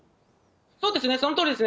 そうですね、そのとおりですね。